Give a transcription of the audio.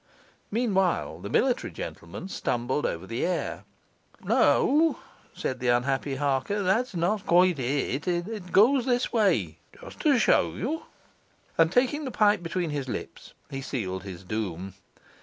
Meantime the military gentleman stumbled over the air. 'No,' said the unhappy Harker, 'that's not quite it. It goes this way just to show you.' And, taking the pipe between his lips, he sealed his doom.